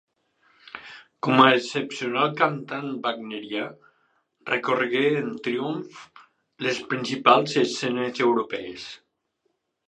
Com a excepcional cantant wagnerià, recorregué en triomf les principals escenes europees.